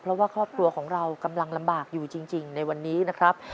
เพราะว่าครอบครัวของเรากำลังลำบากอยู่จริงในวันนี้นะครับ